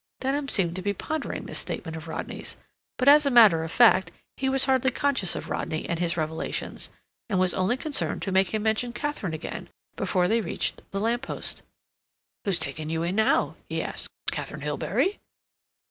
Denham seemed to be pondering this statement of Rodney's, but, as a matter of fact, he was hardly conscious of Rodney and his revelations, and was only concerned to make him mention Katharine again before they reached the lamp post. "Who's taken you in now?" he asked. "Katharine Hilbery?"